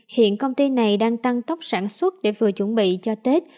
hiện công ty này đang tăng tốc sản xuất để vừa chuẩn bị cho tết